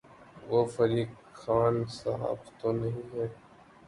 وہ فریق خان صاحب تو نہیں ہیں۔